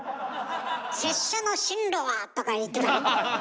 「拙者の進路は」とか言ってたの？